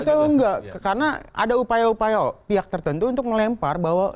atau enggak karena ada upaya upaya pihak tertentu untuk melempar bahwa